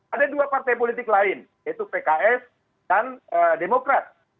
ada dua partai politik lain yaitu pks dan demokrat